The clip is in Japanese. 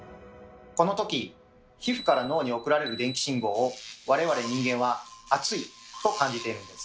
このとき皮膚から脳に送られる電気信号を我々人間は「暑い」と感じているんです。